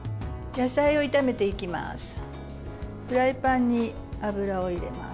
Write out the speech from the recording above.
野菜を炒めていきます。